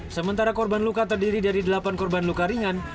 sementara korban luka terdiri dari delapan korban luka ringan